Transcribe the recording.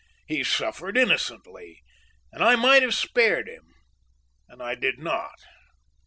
He suffered innocently, and I might have spared him, and I did not.